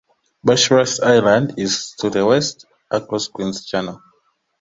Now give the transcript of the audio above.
Bathurst Island is to the west, across Queens Channel.